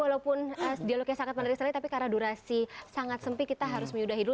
walaupun dialognya sangat menarik sekali tapi karena durasi sangat sempit kita harus menyudahi dulu